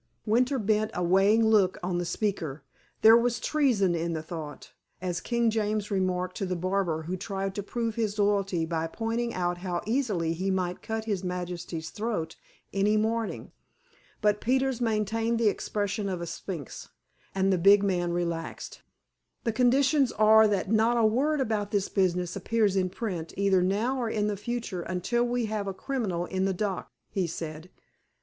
Winter bent a weighing look on the speaker. There was treason in the thought, as King James remarked to the barber who tried to prove his loyalty by pointing out how easily he might cut his majesty's throat any morning. But Peters maintained the expression of a sphinx, and the big man relaxed. "The conditions are that not a word about this business appears in print, either now or in the future until we have a criminal in the dock," he said.